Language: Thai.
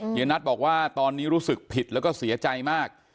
นัทบอกว่าตอนนี้รู้สึกผิดแล้วก็เสียใจมาก